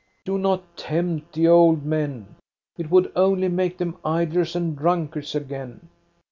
Do not tempt the old men ! It would only make them idlers and drunkards again.